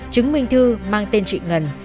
chứng minh thư mang tên trị ngần